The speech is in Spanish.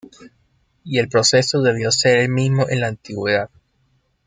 Y el proceso debió ser el mismo en la antigüedad.